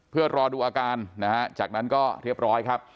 เพื่อรอดูอาการนะฮะจากนั้นก็เรียบร้อยครับ